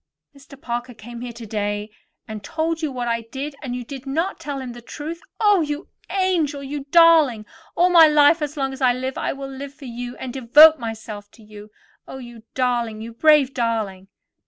"Mr. Parker came here today, and told you what I did yesterday, and you did not tell him the truth? Oh, you angel! Oh, you darling! All my life, as long as I live, I will live for you, and devote myself to you. Oh, you darling; you brave darling!"